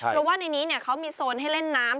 เพราะว่าในนี้เขามีโซนให้เล่นน้ำ